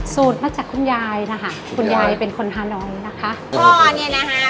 สูตรมาจากคุณยายนะฮะคุณยายเป็นคนฮานอยด์นะคะ